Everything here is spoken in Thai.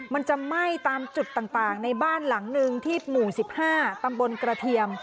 มันจะไหม้ตามจุดต่างในบ้านหลังหนึ่งที่หมู่๑๕ตำบลกระเทียม